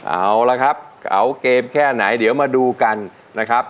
เอาละครับเก๋าเกมแค่ไหนเดี๋ยวมาดูกันนะครับ